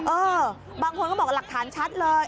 เออบางคนก็บอกหลักฐานชัดเลย